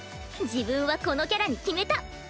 自分はこのキャラに決めた。